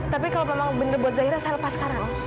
tapi kalau memang benar buat zahira saya lepas sekarang